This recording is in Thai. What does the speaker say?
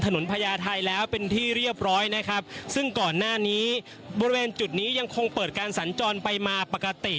ถนนพญาไทยแล้วเป็นที่เรียบร้อยนะครับ